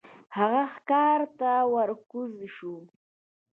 هغه ښکار ته ور کوز شو.